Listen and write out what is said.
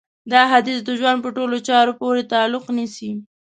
دا حديث د ژوند په ټولو چارو پورې تعلق نيسي.